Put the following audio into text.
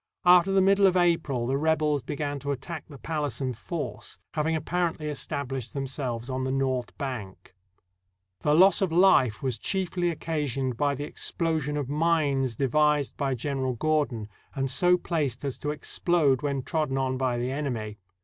After the middle of April the rebels began to attack the palace in force, having apparently established themselves on the north bank. The loss of life was chiefly occasioned by the explosion of mines devised by General Gordon, and so placed as to explode when trodden on by the enemy.